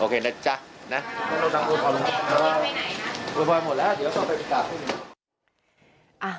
โอเคนะเจ๊ะ